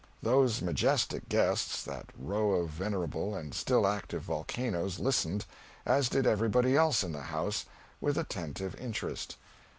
Those majestic guests, that row of venerable and still active volcanoes, listened, as did everybody else in the house, with attentive interest.